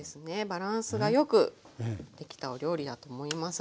バランスがよくできたお料理だと思います。